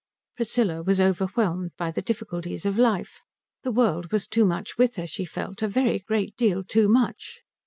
Priscilla was overwhelmed by the difficulties of life. The world was too much with her, she felt, a very great deal too much.